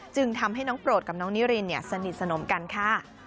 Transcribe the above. จึงทำให้น้องโปรดกับน้องนิรินสนิทสนมกันค่ะ